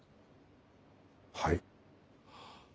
はい。